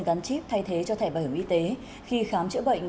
gắn chip thay thế cho thẻ bảo hiểm y tế khi khám chữa bệnh